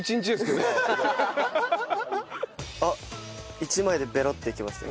あっ１枚でべろっていきました。